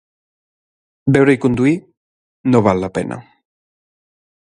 Beure i conduir no val la pena.